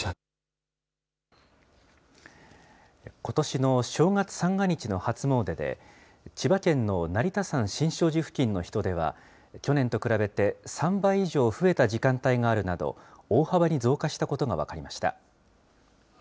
ことしの正月三が日の初詣で、千葉県の成田山新勝寺付近の人出は、去年と比べて３倍以上増えた時間帯があるなど、大幅に増加したことが分かりました。